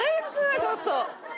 ちょっと。